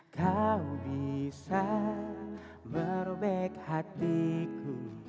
kau bisa merobek hatiku